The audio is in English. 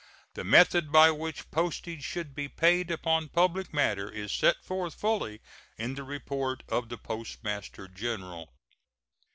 The method by which postage should be paid upon public matter is set forth fully in the report of the Postmaster General.